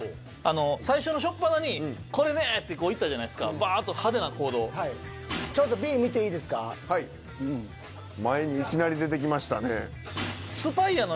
最初のしょっぱなに「これね」ってこう行ったじゃないですかバッとちょっと前にいきなり出てきましたね。